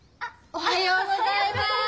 おはようございます！